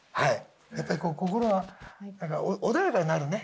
やっぱり心が穏やかになるね。